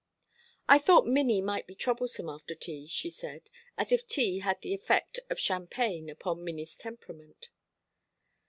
"I thought Minnie might be troublesome after tea," she said, as if tea had the effect of champagne upon Minnie's temperament.